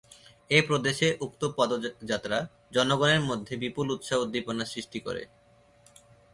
এ প্রদেশে উক্ত পদযাত্রা জনগণের মধ্যে বিপুল উৎসাহ উদ্দীপনার সৃষ্টি করে।